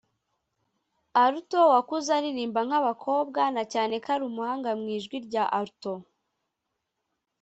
Alto wakuze aririmba nk'abakobwa na cyane ko ari umuhanga mu ijwi rya Alto